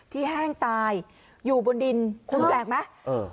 ที่แห้งตายอยู่บนดินคุณแปลกไหม